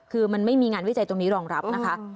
คือมันไม่มีงานวิจัยตรงนี้รองรับนะคะ